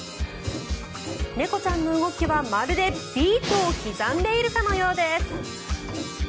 猫ちゃんの動きはまるでビートを刻んでいるかのようです。